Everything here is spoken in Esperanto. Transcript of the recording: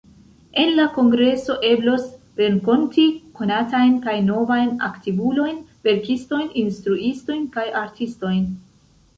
En la kongreso, eblos renkonti konatajn kaj novajn aktivulojn, verkistojn, instruistojn, kaj artistojn.